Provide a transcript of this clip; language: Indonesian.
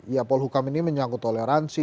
ya pol hukam ini menyangkut toleransi